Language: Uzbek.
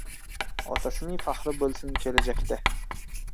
Otasining faxri boʻlsin kelajakda.